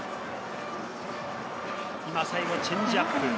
今、最後、チェンジアップ。